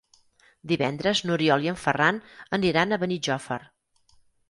Divendres n'Oriol i en Ferran aniran a Benijòfar.